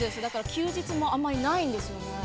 休日もあんまりないんですよ。